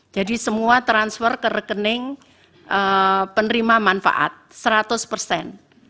jadi semua transfer ke rekening penerima manfaat seratus persen